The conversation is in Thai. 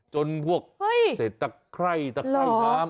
จนพวกเศรษฐกไคร้ตะไคร้น้ำ